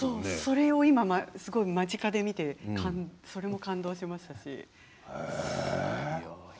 それを間近で見て感動しました。